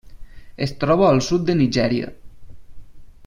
Es troba al sud de Nigèria.